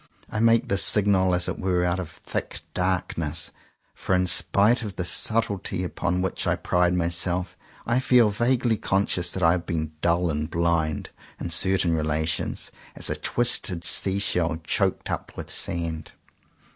I make this signal as it were out of thick darkness; for in spite of the sub tlety upon which I pride myself, I feel vaguely conscious that I have been dull and blind, in certain relations, as a twisted sea shell choked up with sand.